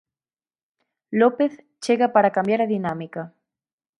López chega para cambiar a dinámica.